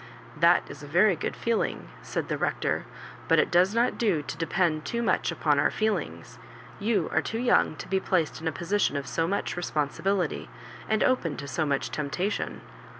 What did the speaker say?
'* "That is a very good fooling," said the Rector, but it does not do to depend too much upon our feelings. You are too young to be placed in a position of so much responsibility, and open to so much temptation.